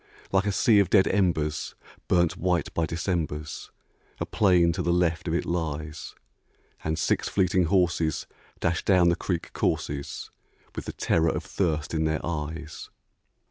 Like a sea of dead embers, burnt white by Decembers, A plain to the left of it lies; And six fleeting horses dash down the creek courses With the terror of thirst in their eyes.